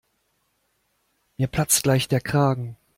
Mir platzt gleich der Kragen.